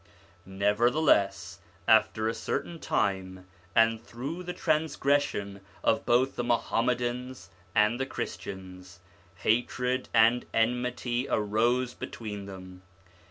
2 Nevertheless, after a certain time, and through the transgression of both the Muhammadans and the Christians, hatred and enmity arose between them.